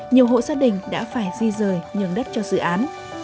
nhiều hộ gia đình đã phải di rời nhường đất cho dự án